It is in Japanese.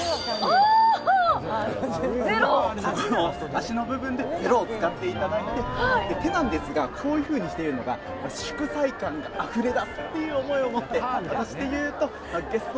足の部分で０を作っていていただいて手なんですがこういうふうにしてるのが祝祭感があふれ出すという思いを持って。